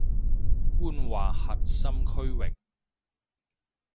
官話核心區域